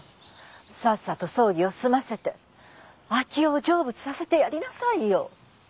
さっさと葬儀を済ませて明生を成仏させてやりなさいよ。